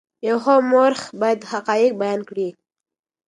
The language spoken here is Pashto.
یو ښه مورخ باید حقایق بیان کړي.